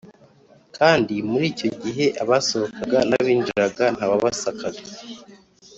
kandi muri icyo gihe abasohokaga n abinjiraga nta wabasakaga